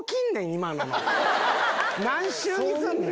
何週にすんねん。